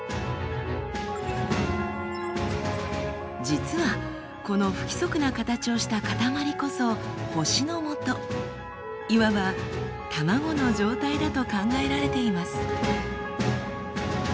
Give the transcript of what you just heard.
実はこの不規則な形をしたかたまりこそ星のもといわばタマゴの状態だと考えられています。